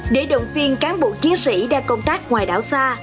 để động viên cán bộ chiến sĩ đang công tác ngoài đảo xa